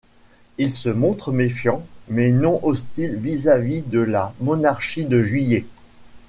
Il se montre méfiant mais non hostile vis-à-vis de la Monarchie de Juillet.